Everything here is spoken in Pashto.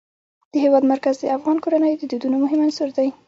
د هېواد مرکز د افغان کورنیو د دودونو مهم عنصر دی.